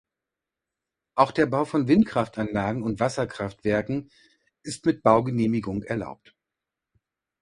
Auch der Bau von Windkraftanlagen und Wasserkraftwerken ist mit Baugenehmigung erlaubt.